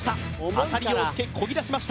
浅利陽介こぎだしました